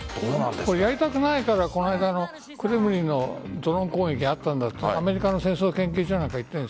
やりたくないからこの間のクレムリンのドローン攻撃があったんだとアメリカの戦争研究所なんか言っている。